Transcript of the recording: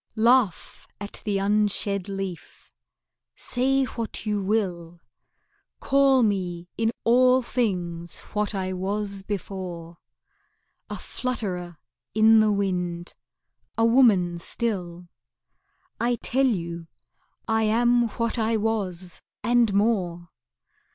Laugh at the unshed leaf, say what you will, Call me in all things what I was before, A flutterer in the wind, a woman still; I tell you I am what I was and more.